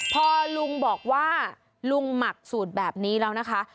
พอลุงบอกว่าลุงหมักสูตรแบบนี้แล้วนะคะ